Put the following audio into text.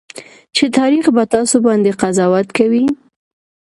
چې تاريخ به تاسو باندې قضاوت کوي.